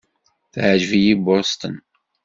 Teɛjeb-iyi Boston.